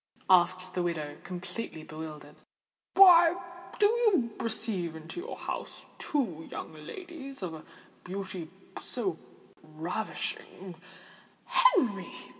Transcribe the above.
asked the widow, completely bewildered. "Why do you receive into your house two young ladies of a beauty so ravishing——" "Henry!